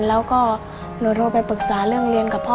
แล้วก็หนูโทรไปปรึกษาเรื่องเรียนกับพ่อ